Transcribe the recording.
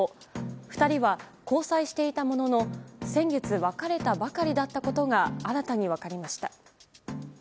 ２人は、交際していたものの先月別れたばかりだったことが新たに分かりました。